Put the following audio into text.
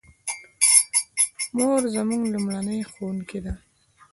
مور زموږ لومړنۍ ښوونکې ده